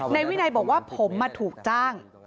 นายวินัยบอกว่าผมมาถูกจ้าง